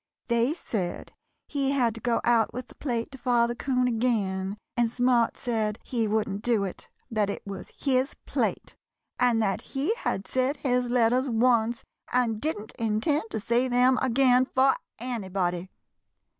They said he had to go out with the plate to Father 'Coon again, and Smart said he wouldn't do it; that it was his plate, and that he had said his letters once and didn't intend to say them again for anybody.